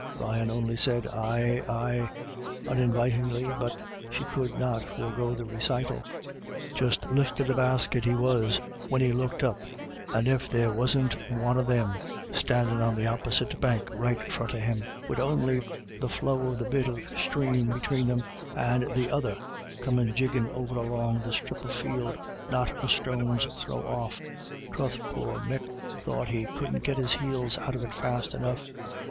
BETWEEN TWO LAD Y DA VS. 233 Brian only said, "Aye, aye/' uninvitingly, but she could not forego the recital :" Just liftin' the basket he was, when he looked up, and if there wasn't Wan of Thim standin' on the opposite bank right fornint him, wid on'y the flow of the bit of sthrame between them — and the OtJier comin' jiggin' along over the strip of field, not a stone's throw off. Troth, poor Mick thought he couldn't git his heels out of it fast enough.